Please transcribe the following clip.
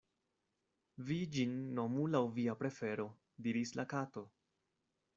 "Vi ĝin nomu laŭ via prefero," diris la Kato.